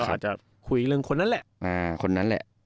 ก็อาจจะคุยเรื่องคนนั้นแหละ